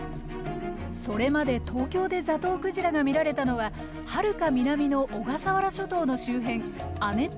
それまで東京でザトウクジラが見られたのははるか南の小笠原諸島の周辺亜熱帯の海だけでした。